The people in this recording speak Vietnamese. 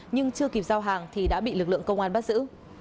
nhưng chưa kịp giao hàng thì đã bị lực lượng công an bắt giữ